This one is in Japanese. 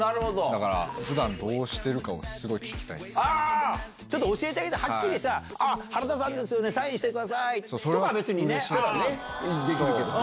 だからふだんどうしてるかを、あー、ちょっと教えてあげて、はっきりさ、あー、原田さんですよね、サインしてくださいとかはできるけどね。